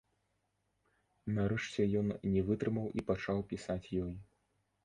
Нарэшце ён не вытрымаў і пачаў пісаць ёй.